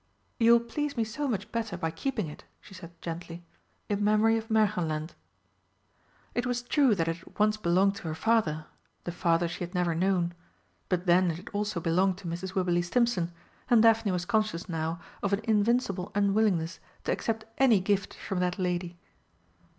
"You will please me so much better by keeping it," she said gently "in memory of Märchenland." It was true that it had once belonged to her father the father she had never known but then it had also belonged to Mrs. Wibberley Stimpson, and Daphne was conscious now of an invincible unwillingness to accept any gift from that lady.